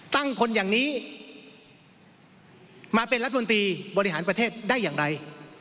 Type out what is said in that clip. คนอย่างนี้มาเป็นรัฐมนตรีบริหารประเทศได้อย่างไร